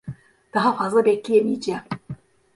Daha fazla bekleyemeyeceğim.